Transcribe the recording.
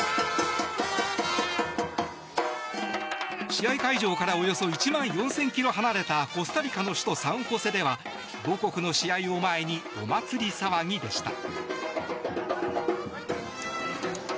試合会場からおよそ１万４０００ｋｍ離れたコスタリカの首都サンホセでは母国の試合を前にお祭り騒ぎでした。